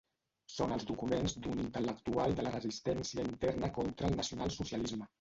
Són els documents d'un intel·lectual de la resistència interna contra el nacionalsocialisme.